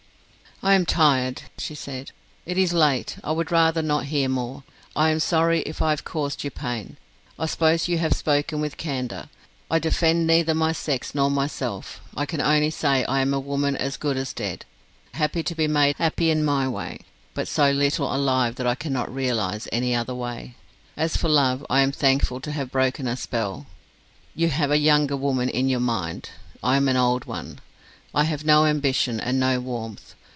"I am tired," she said. "It is late, I would rather not hear more. I am sorry if I have caused you pain. I suppose you to have spoken with candour. I defend neither my sex nor myself. I can only say I am a woman as good as dead: happy to be made happy in my way, but so little alive that I cannot realize any other way. As for love, I am thankful to have broken a spell. You have a younger woman in your mind; I am an old one: I have no ambition and no warmth.